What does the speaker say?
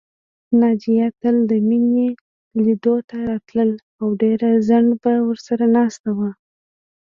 ناجیه تل د مينې لیدلو ته راتله او ډېر ځنډه به ورسره ناسته وه